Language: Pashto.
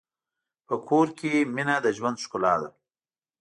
په کور کې مینه د ژوند ښکلا ده.